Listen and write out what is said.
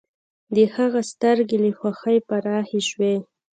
د هغه سترګې له خوښۍ پراخې شوې